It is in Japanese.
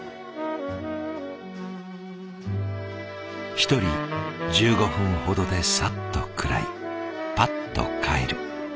一人１５分ほどでサッと食らいパッと帰る。